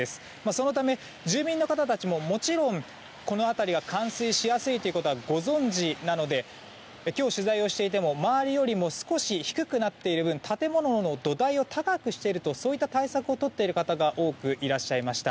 そのため、住民の方たちももちろん、この辺りが冠水しやすいことはご存じなので今日、取材をしていても周りよりも少し低くなっている分建物の土台を高くしているとそういった対策をとっている方が多くいらっしゃいました。